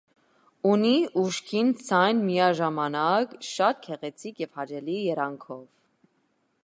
Ունի ուժգին ձայն միաժամանակ շատ գեղեցիկ և հաճելի երանգով։